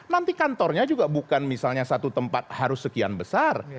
nanti kantornya juga bukan misalnya satu tempat harus sekian besar